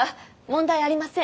問題ありません。